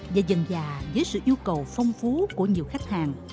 và dần dà với sự yêu cầu phong phú của nhiều khách hàng